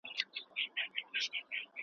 یار مې هندو ښۀ دی چې نه مې ځوروینه